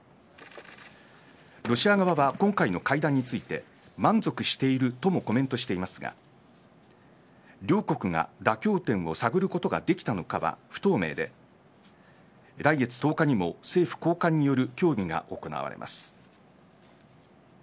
ロシア側は今回の会談について満足しているともコメントしていますが両国が妥協点を探ることができたのかは不透明で来月１０日にも政府高官による協議が行われます。